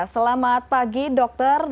selamat pagi dokter